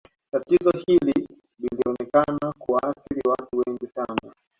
tatizo hili lilionekana kuwaathiri watu wengi sana